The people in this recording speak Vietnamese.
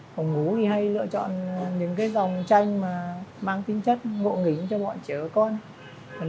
phòng ngủ thì hay lựa chọn những cái dòng tranh mà mang tính chất ngộ nghĩnh cho bọn trẻ của con